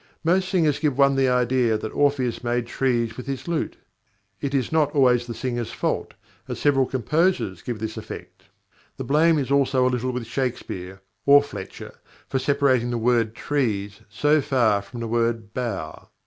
Most singers give one the idea that Orpheus made trees with his lute. It is not always the singer's fault, as several composers give this effect. The blame is also a little with Shakespeare or Fletcher for separating the word "trees" so far from the word "bow."